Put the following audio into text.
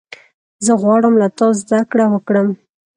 زه غواړم له تا زدهکړه وکړم.